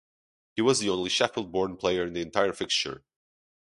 He was the only Sheffield born player in the entire fixture.